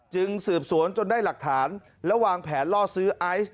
จึงสืบสวนจนได้หลักฐานและวางแผนล่อซื้อไอซ์